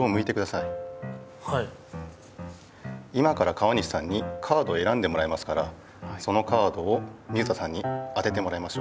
今から川西さんにカードをえらんでもらいますからそのカードを水田さんに当ててもらいましょう。